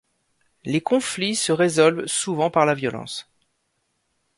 Les conflits se résolvent souvent par la violence.